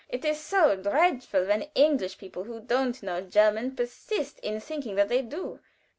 It is so dreadful when English people who don't know German persist in thinking that they do.